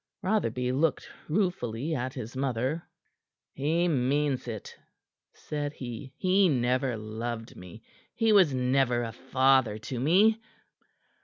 Rotherby looked ruefully at his mother. "He means it,"' said he. "He never loved me. He was never a father to me."